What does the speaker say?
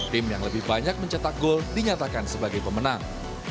tim yang lebih banyak mencetak gol dinyatakan sebagai pemenang